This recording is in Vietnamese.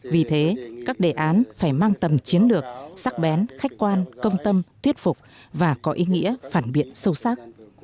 vì thế các đề án phải mang tầm chiến lược sắc bén khách quan công tâm thuyết phục và có ý nghĩa phản biện sâu sắc